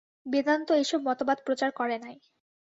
বেদান্ত এইসব মতবাদ প্রচার করে নাই।